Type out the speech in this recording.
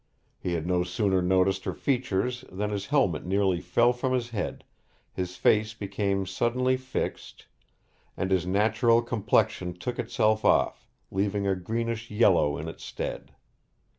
He had no sooner noticed her features than his helmet nearly fell from his hand; his face became suddenly fixed, and his natural complexion took itself off, leaving a greenish yellow in its stead.